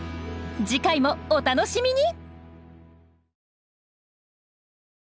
次回もお楽しみに。